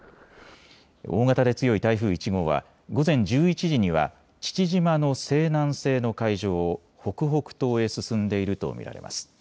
大型で強い台風１号は午前１１時には、父島の西南西の海上を北北東へ進んでいると見られます。